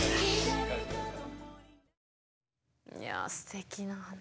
いやすてきな話。